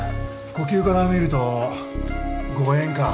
呼吸から見ると誤嚥か？